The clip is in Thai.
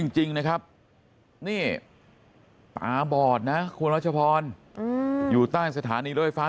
จริงนะครับนี่ตาบอดนะคุณรัชพรอยู่ใต้สถานีรถไฟฟ้า